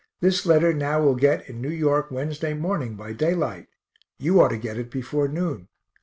This letter now will get in New York Wednesday morning, by daylight you ought to get it before noon.